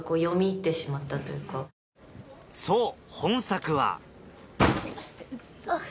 そう本作は痛っ！